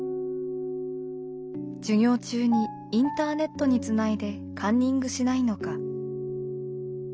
授業中にインターネットにつないでカンニングしないのか。